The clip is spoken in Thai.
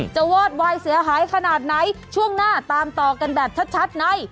วอดวายเสียหายขนาดไหนช่วงหน้าตามต่อกันแบบชัดใน